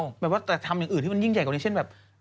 แบบว่าแต่ทำอย่างอื่นที่มันยิ่งใหญ่กว่านี้เช่นแบบ